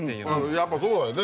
やっぱそうだよね。